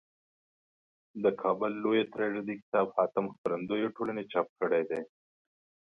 دکابل لویه تراژیدي کتاب حاتم خپرندویه ټولني چاپ کړیده.